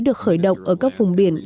được khởi động ở các vùng biển